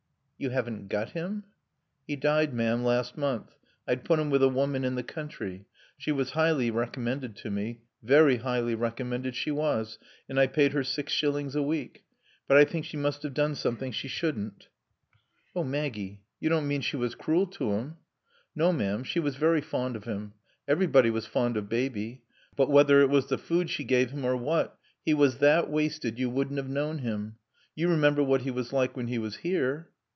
"You haven't got him?" "'E died, ma'am, last month. I'd put him with a woman in the country. She was highly recommended to me. Very highly recommended she was, and I paid her six shillings a week. But I think she must 'ave done something she shouldn't." "Oh, Maggie, you don't mean she was cruel to him?" "No, ma'am. She was very fond of him. Everybody was fond of Baby. But whether it was the food she gave him or what, 'e was that wasted you wouldn't have known him. You remember what he was like when he was here."